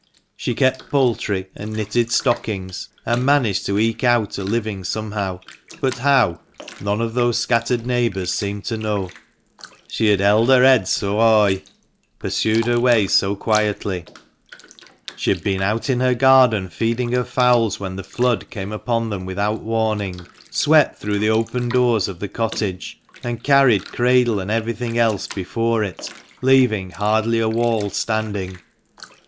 She kept poultry and knitted stockings, THE MANCHESTER MAN. 17 and managed to eke out a living somehow, but how, none of those scattered neighbours seemed to know — she had " held her yead so hoigh " (pursued her way so quietly). She had been out in her garden feeding her fowls when the flood came upon them without warning, swept through the open doors of the cottage, and carried cradle and everything else before it, leaving hardly a wall standing.